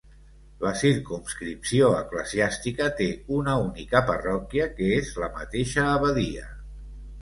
La circumscripció eclesiàstica té una única parròquia, que és la mateixa abadia.